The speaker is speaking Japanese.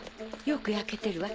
よく焼けてるわ。